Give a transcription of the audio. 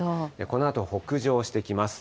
このあと北上してきます。